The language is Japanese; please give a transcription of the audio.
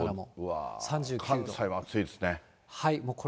関西は暑いですね。